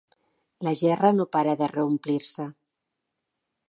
La gerra no para de reomplir-se.